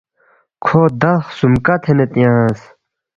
کھو دا خسُومکا تھینے تیانگس